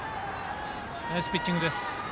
ナイスピッチングです。